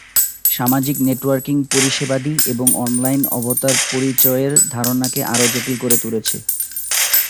সামাজিক নেটওয়ার্কিং পরিষেবাদি এবং অনলাইন অবতার পরিচয়ের ধারণাকে আরো জটিল করে তুলেছে।